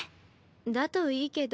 だといいけど。